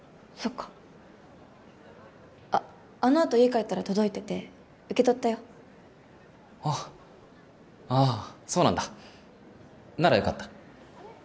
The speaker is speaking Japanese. かあっあのあと家帰ったら届いてて受け取ったよあっああそうなんだならよかった